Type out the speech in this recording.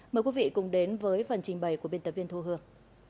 mời quý vị cùng đến với phần trình bày của biên tập viên thu hương